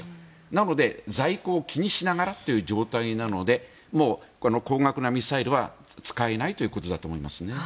なので、在庫を気にしながらという状態なのでもう高額なミサイルは使えないということだと思いますね。